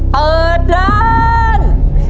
เปิดเริ่ม